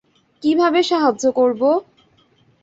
কীভাবে সাহায্য করবো?